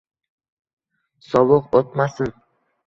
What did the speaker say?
Sovuq oʻtmasin.